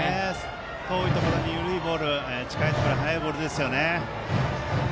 遠いところに緩いボール近いところに速いボールですね。